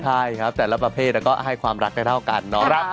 ใช่ครับแต่ละประเภทก็ให้ความรักได้เท่ากันเนาะ